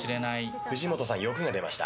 藤本さん、欲が出ました。